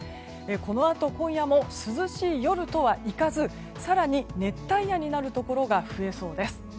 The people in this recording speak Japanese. このあと今夜も涼しい夜とはいかず更に熱帯夜になるところが増えそうです。